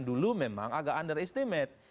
dulu memang agak under estimate